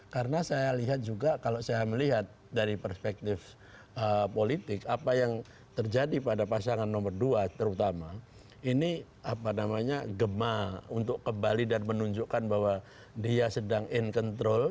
karena saya lihat juga kalau saya melihat dari perspektif politik apa yang terjadi pada pasangan nomor dua terutama ini apa namanya gema untuk kembali dan menunjukkan bahwa dia sedang in control